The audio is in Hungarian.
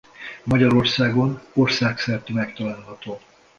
Magyarországon országszerte megtalálható.